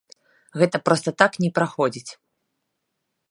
Гэта проста так не праходзіць.